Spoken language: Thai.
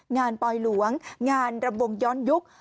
งานปล่อยหลวงงานระบวงย้อนยุค